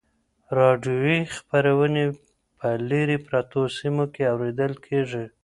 راډیویي خپرونې په لیرې پرتو سیمو کې اورېدل کیږي.